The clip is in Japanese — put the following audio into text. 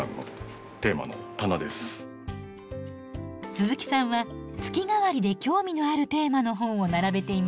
鈴木さんは月替わりで興味のあるテーマの本を並べています。